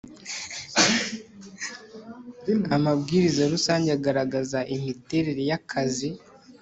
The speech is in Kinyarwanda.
amabwiriza rusange agaragaza imiterere ya akazi